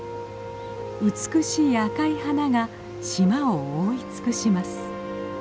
美しい赤い花が島を覆い尽くします。